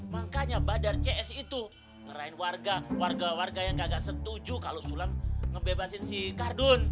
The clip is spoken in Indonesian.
makanya badar cs itu ngerahin warga warga yang kagak setuju kalau sulam ngebebasin si kardun